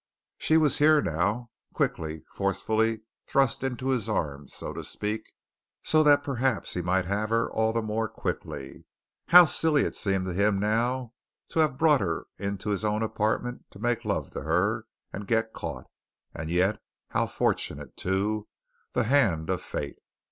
She was here now quickly, forcefully thrust into his arms, so to speak, so that perhaps he might have her all the more quickly. How silly it seemed to him now to have brought her into his own apartment to make love to her and get caught, and yet how fortunate, too, the hand of fate!